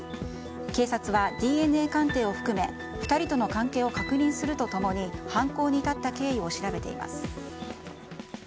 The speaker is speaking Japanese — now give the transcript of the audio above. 警察は、ＤＮＡ鑑定を含め２人との関係を確認すると共に犯行に至った経緯を調べています。